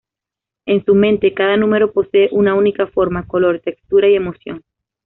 En su mente, cada número posee una única forma, color, textura y emoción.